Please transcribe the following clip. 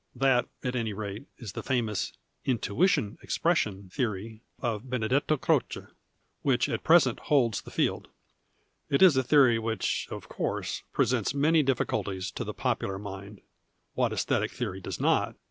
That, at any rate, is the famous " intuition expression " theory of Benedetto Croce, which at present holds the field. It is a theory which, of course, presents many difficulties to the popular mind — what aesthetic theory does not ?